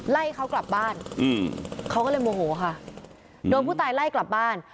ไล่เขากลับบ้านเขาก็เลยโมโหค่ะโดนผู้ตายไล่กลับบ้าน